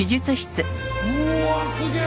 うわすげえ！